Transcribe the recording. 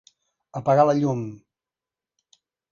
Apagar la llum.